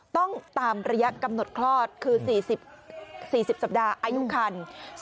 ต้องตามระยะกำหนดคลอดคือ๔๐สัปดาห์อายุคัน